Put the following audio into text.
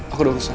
aku udah urusan